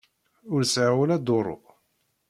Ur sɛiɣ ula duru.